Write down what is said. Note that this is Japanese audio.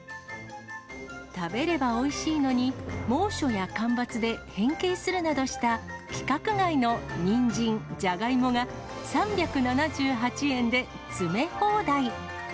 食べればおいしいのに、猛暑や干ばつで変形するなどした規格外のにんじん、ジャガイモが、３７８円で詰め放題。